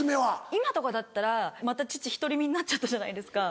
今とかだったらまた父独り身になっちゃったじゃないですか。